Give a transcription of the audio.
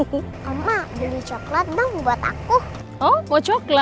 kameranya mana ya pak